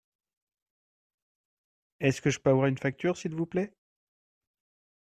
Est-ce que je peux avoir une facture s’il vous plait ?